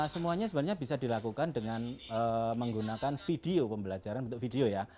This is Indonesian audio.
semuanya sebenarnya bisa dilakukan dengan menggunakan video pembelajaran bentuk video ya